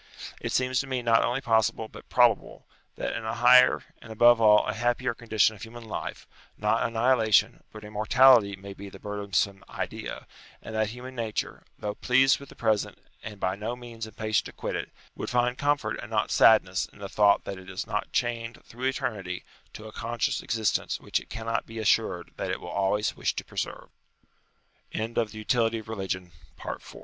It seems to me not only possible but pro bable, that in a higher, and, above all, a happier con dition of human life, not annihilation but immortality may be the burdensome idea ; and that human nature, though pleased with the present, and by no means impatient to quit it, would find comfort and not sad ness in the thought that it is not chained through eternity to a conscious existence which it cannot be assured t